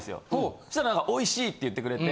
そしたら「おいしい！」って言ってくれて。